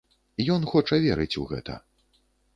Ён хоча верыць у гэта.